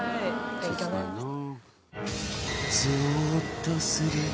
勉強になりました。